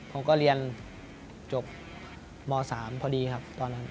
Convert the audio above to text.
ผมก็เรียนจบม๓พอดีครับตอนนั้น